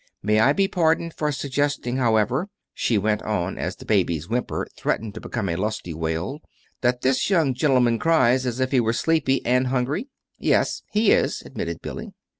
May I be pardoned for suggesting, however," she went on as the baby's whimper threatened to become a lusty wail, "that this young gentleman cries as if he were sleepy and hungry?" "Yes, he is," admitted Billy.